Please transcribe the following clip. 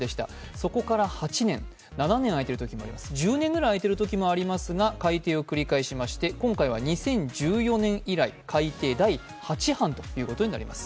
そこから８年、７年開いているときもありますし、１０年ぐらいあいているときもありますが、改訂を繰り返しまして今回は２０１４年以来改訂第８版になります。